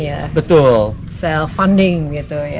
ada self funding gitu ya